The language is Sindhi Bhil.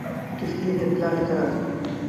ڪستيٚن تي پلآٽ ڪرآئوٚݩ۔